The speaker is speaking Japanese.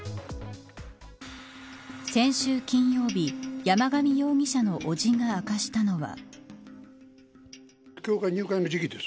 先週金曜日山上容疑者の伯父が明かしたのは。